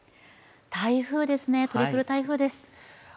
台風ですね、トリプル台風です。